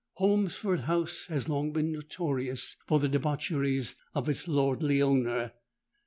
"Holmesford House has long been notorious for the debaucheries of its lordly owner.